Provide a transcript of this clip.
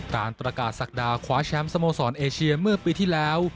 การประกาศศักดาคว้าแชมป์สโมสรเอเชียเมื่อปีที่แล้ว